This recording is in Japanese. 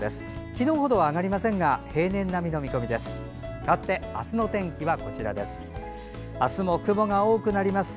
昨日ほどは上がりませんが平年並みの見込みです。